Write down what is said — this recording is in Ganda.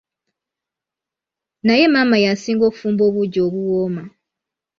Naye maama ya'singa okufumba obuugi obuwooma!